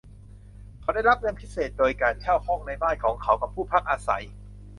เขาได้รับเงินพิเศษโดยการเช่าห้องในบ้านของเขากับผู้พักอาศัย